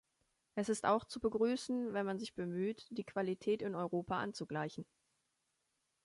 Es ist auch zu begrüßen, wenn man sich bemüht, die Qualität in Europa anzugleichen.